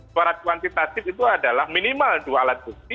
suara kuantitatif itu adalah minimal dua alat bukti